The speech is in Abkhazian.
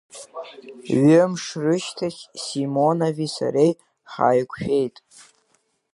Ҩымш рышьҭахь Симонови сареи ҳаиқәшәеит.